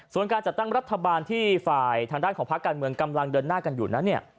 ส่วนการจัดตั้งรัฐบาลที่ฝ่ายทางด้านของภาคการเมืองกำลังเดินหน้ากันอยู่นั้นเนี่ย